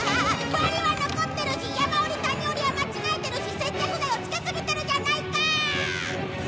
バリは残ってるし山折り谷折りは間違えてるし接着剤をつけすぎてるじゃないか！